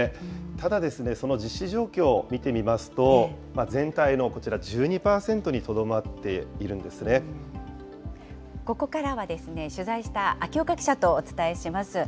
ただ、その実施状況を見てみますと、全体のこちら、１２％にとどここからはですね、取材した穐岡記者とお伝えします。